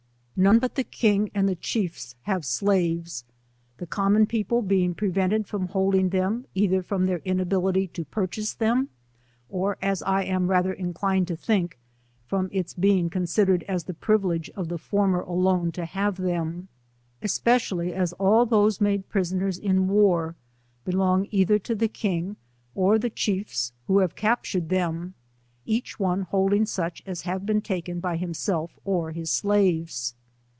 89 None b!it the king aod chiefa have slaves, the tammon people being preveated from holding them f^ilher from their inability to purchase them, or. as I am rather inclined to think from its being considered as the privilege of the former alone to have them, especially as all those made prisoners in war belong either to the king or the chiefs, who have captured them, each one holding such as have been taken by himself or his slaves.